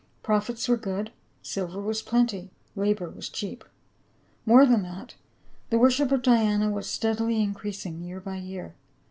Profits were good, silver was plenty, labor was cheap ; more than that, the worship of Diana was steadily increasing year by year.